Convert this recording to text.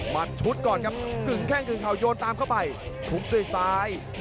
มันชุดก่อนครับกึ่งแข้งกึ่งเข่าโยนตามเข้าไปทุบด้วยซ้าย